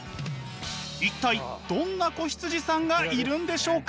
一体どんな子羊さんがいるんでしょうか？